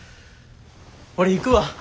俺行くわ。